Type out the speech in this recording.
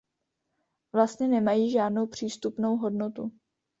Vlastně nemají žádnou přístupnou hodnotu.